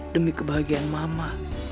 demi kebahagiaan mama